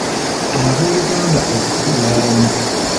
Abooluganda okutuula awamu.